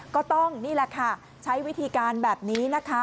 ก็ต้องใช้วิธีการแบบนี้